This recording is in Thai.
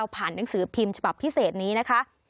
หนังสือพิมพ์ฉบับพิเศษนี้นะคะ